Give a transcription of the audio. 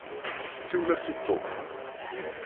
Siwel-as i Tom.